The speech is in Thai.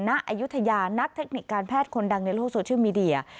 ณอายุทยานักเทคนิคการแพทย์คนดังในโลกโซเชียลมีเดีย